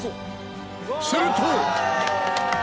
すると。